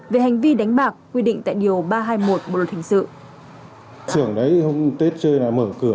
về hành vi đánh bạc quy định tại điều ba trăm hai mươi một bộ luật hình sự